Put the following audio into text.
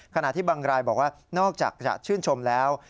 ขณะที่บางรายบอกว่านอกจากจะชื่นชมแล้ว